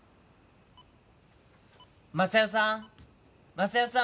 昌代さん！